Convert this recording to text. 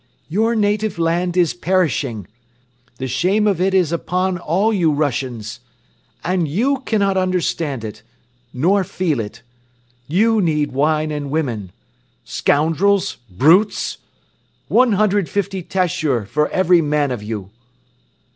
"Your native land is perishing. ... The shame of it is upon all you Russians ... and you cannot understand it ... nor feel it. ... You need wine and women. ... Scoundrels! Brutes! ... One hundred fifty tashur for every man of you."